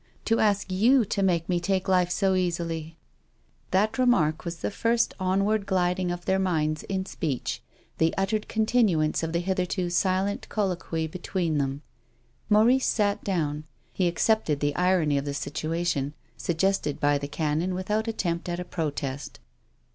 To ask you to make me take life so easily !" That remark was the first onward gliding of their minds in speech, the uttered continuance of the hitherto silent colloquy between them. Maurice sat down. He accepted the irony of the situation suggested by the Canon without attempt at a protest.